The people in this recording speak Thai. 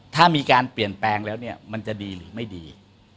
ถ้ามีการเปลี่ยนแปลงแล้วเนี่ยมันจะดีหรือไม่ดี